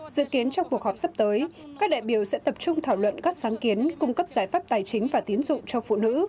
dự kiến trong cuộc họp sắp tới các đại biểu sẽ tập trung thảo luận các sáng kiến cung cấp giải pháp tài chính và tiến dụng cho phụ nữ